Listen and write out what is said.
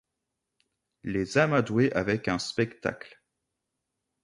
Les amadouer avec un spectacle.